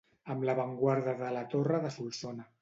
Amb l'avantguarda de la torre de Solsona.